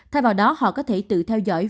thay vào đó họ có thể tự theo dõi